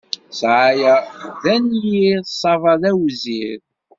Ssɛaya d anyir, ṣṣaba d awzir.